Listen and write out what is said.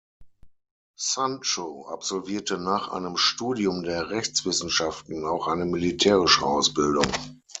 Sancho absolvierte nach einem Studium der Rechtswissenschaften auch eine militärische Ausbildung.